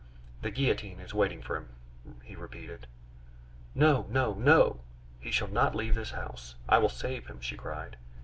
"The guillotine is waiting for him," he repeated. "No, no, no! He shall not leave this house. I will save him!" she cried.